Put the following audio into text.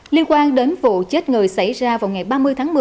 liên quan đến vụ chết người xảy ra vào ngày ba mươi tháng một mươi